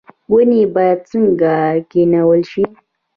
ونې باید څنګه کینول شي؟